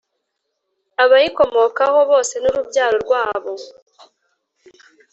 abayikomokaho bose n’urubyaro rwabo.